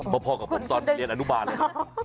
พอกับผมตอนเรียนอนุบาลเลยนะ